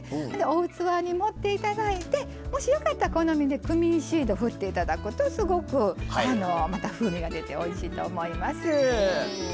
お器に盛って頂いてもしよかったら好みでクミンシードふって頂くとすごくまた風味が出ておいしいと思います。